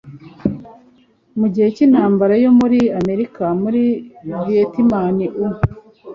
mu gihe cy'intambara yo muri amerika muri viyetinam u